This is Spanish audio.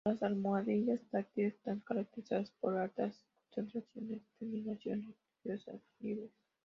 Las almohadillas táctiles están caracterizadas por altas concentraciones de terminaciones nerviosas libres.